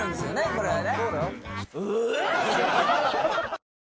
これはね